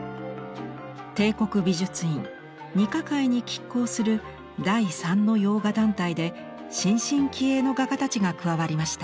帝国美術院二科会にきっ抗する第三の洋画団体で新進気鋭の画家たちが加わりました。